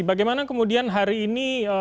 bagaimana kemudian hari ini